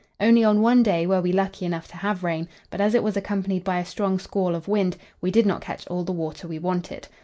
Only on one day were we lucky enough to have rain, but as it was accompanied by a strong squall of wind, we did not catch all the water we wanted.